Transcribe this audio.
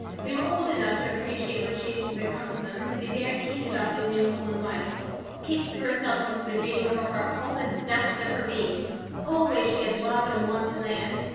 They were old enough to appreciate what changes had come to them, and to be very keen about their new home and life. Kate threw herself into the dream of her heart with all the zest of her being. Always she had loved and wanted land.